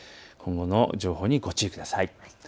今後の情報にご注意ください。